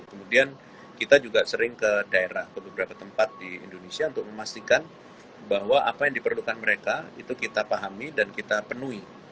kemudian kita juga sering ke daerah ke beberapa tempat di indonesia untuk memastikan bahwa apa yang diperlukan mereka itu kita pahami dan kita penuhi